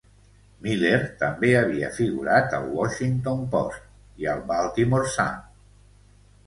Miller també havia figurat al "Washington Post" i al "Baltimore Sun".